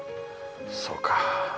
そうか。